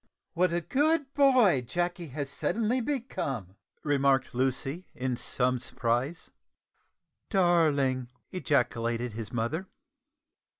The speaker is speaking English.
"What a good boy Jacky has suddenly become!" remarked Lucy in some surprise. "Darling!" ejaculated his mother.